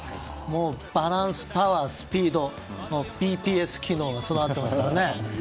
バランス、パワー、スピードのＰＰＳ機能が備わっていますからね。